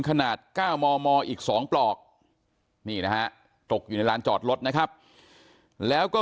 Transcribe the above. ขนาด๙มมอีก๒ปลอกนี่นะฮะตกอยู่ในร้านจอดรถนะครับแล้วก็